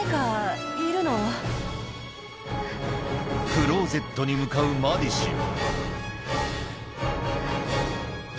クローゼットに向かうマディシン